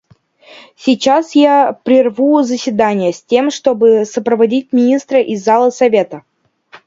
Сейчас я прерву заседание, с тем чтобы сопроводить министра из зала Совета.